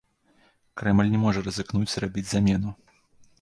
Крэмль не можа рызыкнуць зрабіць замену?